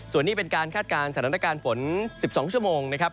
ส่วนนี้เป็นการคาดการณ์สถานการณ์ฝน๑๒ชั่วโมงนะครับ